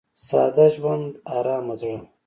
• ساده ژوند، ارامه زړه.